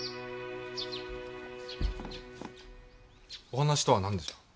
お話とは何でしょう。